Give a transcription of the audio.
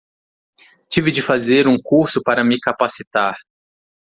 Tive de fazer um curso para me capacitar